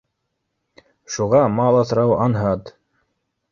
Шуға мал аҫрауы анһат